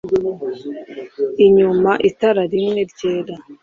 inyuma itara rimwe ryera